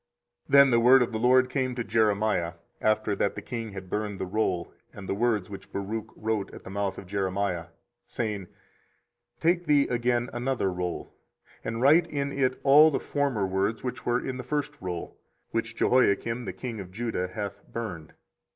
24:036:027 Then the word of the LORD came to Jeremiah, after that the king had burned the roll, and the words which Baruch wrote at the mouth of Jeremiah, saying, 24:036:028 Take thee again another roll, and write in it all the former words that were in the first roll, which Jehoiakim the king of Judah hath burned.